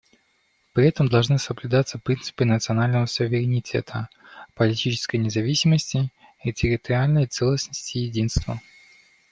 При этом должны соблюдаться принципы национального суверенитета, политической независимости и территориальной целостности и единства.